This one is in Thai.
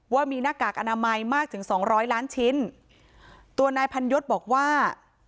ว่ามีหน้ากากอนามัยมากถึงสองร้อยล้านชิ้นตัวนายพันยศบอกว่า